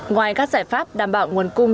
ngoài các giải pháp đảm bảo nguồn cung